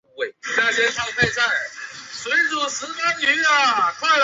斯梅代雷沃是位于塞尔维亚东北部的一个城市。